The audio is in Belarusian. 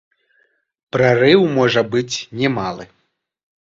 Прарыў можа быць не малы.